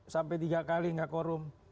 sampai tiga kali gak korum